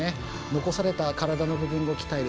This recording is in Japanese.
残された、体の部分を鍛える。